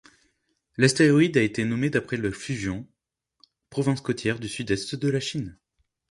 L'astéroïde a été nommé d'après le Fujian, province côtière du sud-est de la Chine.